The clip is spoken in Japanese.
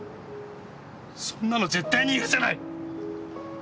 そんなの絶対に許せない！